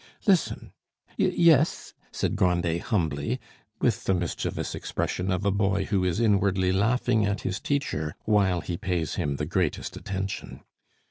"Listen." "Y yes," said Grandet humbly, with the mischievous expression of a boy who is inwardly laughing at his teacher while he pays him the greatest attention.